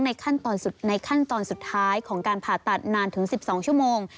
ในขั้นตอนสุดท้ายของการผ่าตัดนานถึง๑๒ชั่วโมง